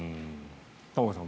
玉川さん